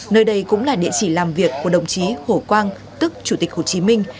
nơi đây cũng là địa chỉ làm việc của đồng chí hồ quang tức chủ tịch hồ chí minh